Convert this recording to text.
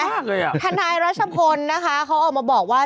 อ่ะทนายรัชพลนะคะเขาออกมาบอกว่า